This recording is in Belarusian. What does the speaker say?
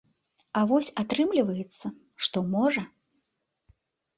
А вось атрымліваецца, што можа.